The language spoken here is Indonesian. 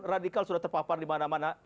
radikal sudah terpapar di mana mana